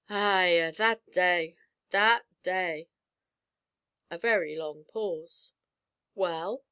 Eyah! that day! that day!" A very long pause. "Well?"